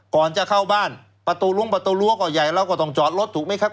ก่อนจะเข้าบ้านประตูล้วงประตูรั้วก็ใหญ่เราก็ต้องจอดรถถูกไหมครับ